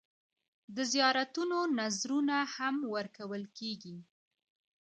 د زیارتونو نذرونه هم ورکول کېږي.